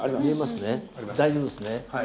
大丈夫ですね？